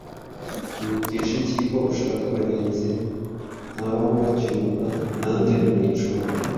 undutisha iki? Ko ushaka abagenzi ntabaho bacyurwa na nde mu icumbi,